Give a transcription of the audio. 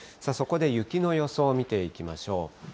そこで雪の予想見ていきましょう。